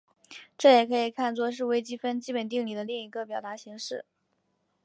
这也可以看作是微积分基本定理另一个表达形式。